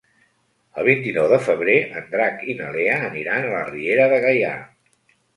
El vint-i-nou de febrer en Drac i na Lea aniran a la Riera de Gaià.